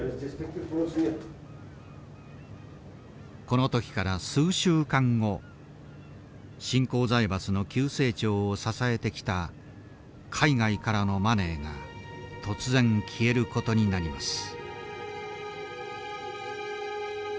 この時から数週間後新興財閥の急成長を支えてきた海外からのマネーが突然消えることになります。